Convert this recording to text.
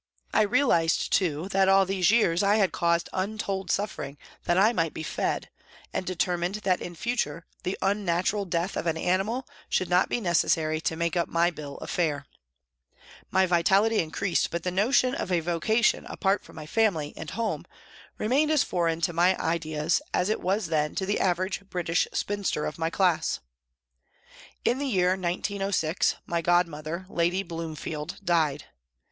I realised, too, that all these years I had caused untold suffering that I might be fed, and determined that in future the unnatural death of an animal should not be necessary to make up my bill of fare. My INTRODUCTION 3 vitality increased, but the notion of a vocation apart from my family and home remained as foreign to my ideas as it was then to the average British spinster of my class. In the year 1906 my godmother, Lady Bloomfield, died.